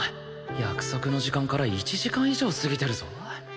約束の時間から１時間以上過ぎてるぞ